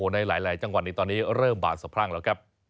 ในหลายจังหวัดนี้ตอนนี้เริ่มบาดสะพรั่งแล้วครับ